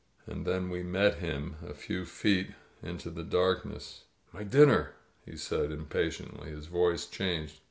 And then we met him a few feet into the darkness. "My dinner!" he said impatiently. His voice changed.